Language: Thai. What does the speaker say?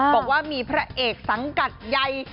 บอกว่ามีพระเอกสังกัดใหญ่